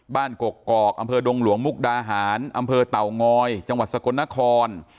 กกอกอำเภอดงหลวงมุกดาหารอำเภอเต่างอยจังหวัดสกลนคร